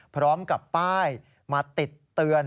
พร้อมกับป้ายมาติดเตือน